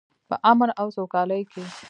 په امن او سوکالۍ کې.